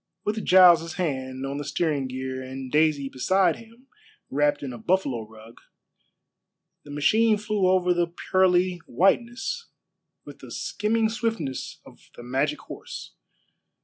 With Giles' hand on the steering gear and Daisy beside him wrapped in a buffalo rug, the machine flew over the pearly whiteness with the skimming swiftness of the magic horse.